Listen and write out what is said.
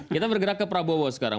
kita bergerak ke prabowo sekarang